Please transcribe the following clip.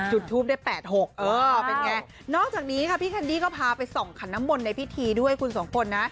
จุดทูปได้๘๖เออเป็นไงนอกจากนี้ค่ะพี่แคนดี้ก็พาไปส่องขันน้ำมนต์ในพิธีด้วยคุณสองคนนะ